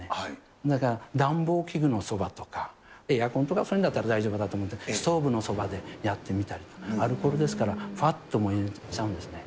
だから暖房器具のそばとか、エアコンとかそういうのだったら大丈夫だと思うんですけど、ストーブのそばでやってみたり、アルコールですから、ふわっと燃えちゃうんですよね。